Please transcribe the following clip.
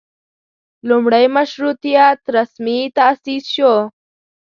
لومړۍ مشروطیت رسمي تاسیس شو.